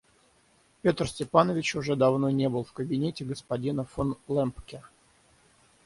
Петр Степанович уже давно не был в кабинете господина фон Лембке.